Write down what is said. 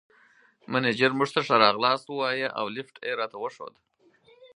مېنېجر موږ ته ښه راغلاست ووایه او لېفټ یې راته وښود.